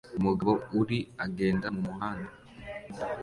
Umugabo uri agenda mumuhanda